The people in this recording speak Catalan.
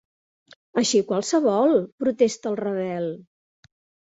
Així qualsevol —protesta el Ravel—.